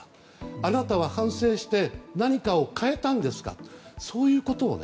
あなたは反省して何かを変えたんですかとそういうことをね